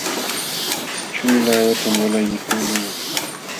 Chunu laawatam walay mikuqluu.